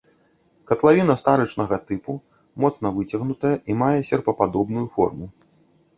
Катлавіна старычнага тыпу, моцна выцягнутая і мае серпападобную форму.